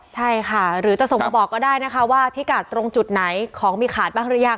ใช่ค่ะหรือจะส่งมาบอกก็ได้นะคะว่าพิกัดตรงจุดไหนของมีขาดบ้างหรือยัง